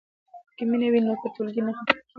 که مینه وي نو ټولګی نه خفه کیږي.